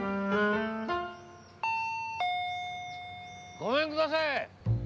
・ごめんくだせえ。